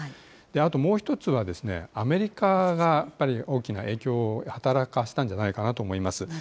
あともう一つはですね、アメリカがやっぱり大きな影響を働かせたんじゃないかなと思います。